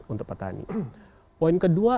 untuk petani poin kedua